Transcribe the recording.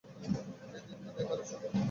এই দিনতো দেখারই ছিল।